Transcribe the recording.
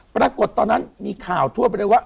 ปรากฏตอนนั้นมีข่าวทั่วไปเลยว่า